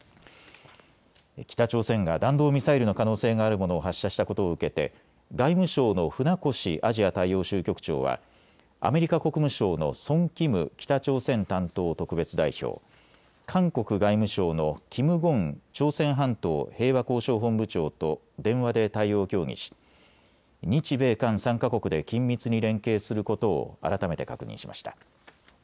北朝鮮が弾道ミサイルの可能性があるものを発射したことを受けて外務省の船越アジア大洋州局長はアメリカ国務省のソン・キム北朝鮮担当特別代表、韓国外務省のキム・ゴン朝鮮半島平和交渉本部長と電話で対応を協議し、日米韓３か国で緊密に連携することを改めて確認しました。